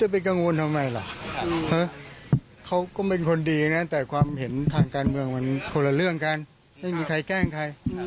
ผมไม่ได้แกล้งลองฟังค่ะ